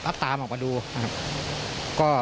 ก็ตามออกมาดูนะครับ